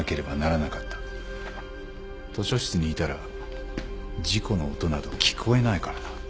図書室にいたら事故の音など聞こえないからな。